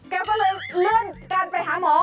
แกเลื่อนการไปหาหมอ